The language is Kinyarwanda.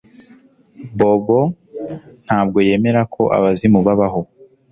Bobo ntabwo yemera ko abazimu babaho